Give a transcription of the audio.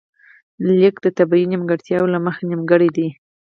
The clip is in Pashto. ليک د طبیعي نیمګړتیا له مخې نیمګړی دی